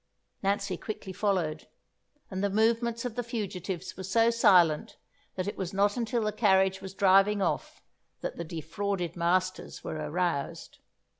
Nancy quickly followed, and the movements of the fugitives were so silent that it was not until the carriage was driving off that the defrauded masters were aroused.